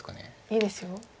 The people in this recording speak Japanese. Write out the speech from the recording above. いいですよ。